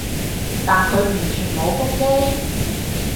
但佢完全冇覆機